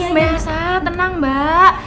ma'am jangan tenang mbak